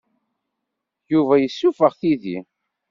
Yuba yessuffeɣ tidi.